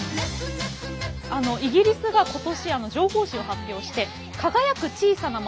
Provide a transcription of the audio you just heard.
イギリスが今年情報誌を発表して「輝く小さな街」